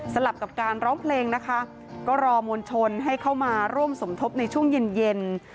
ลับกับการร้องเพลงนะคะก็รอมวลชนให้เข้ามาร่วมสมทบในช่วงเย็นเย็น